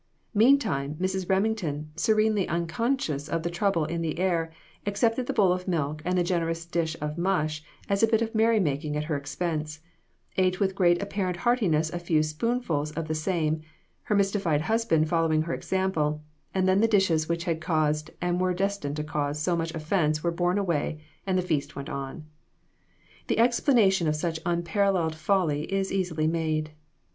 Meantime, Mrs. Reming ton, serenely unconscious of trouble in the air, accepted the bowl of milk and the generous dish of mush as a bit of merry making at her expense, ate with great apparent heartiness a few spoonfuls of the same, her mystified husband following her example, and then the dishes which had caused, and were destined to cause, so much offense were borne away and the feast went on. The explanation of such unparalleled folly is easily made.